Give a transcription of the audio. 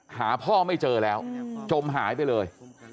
หาพ่อไม่เจอแล้วจมหายไปเลย